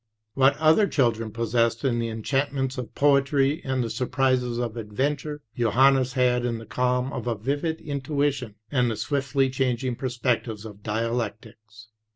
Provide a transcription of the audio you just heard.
"What other children possessed in the enchantments of poetry and the surprises of adventure, Johannes had in the calm of a vivid intuition and the swiftly changing perspectives of dialectics.